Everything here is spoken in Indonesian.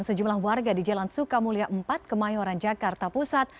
sejumlah warga di jalan sukamulia empat kemayoran jakarta pusat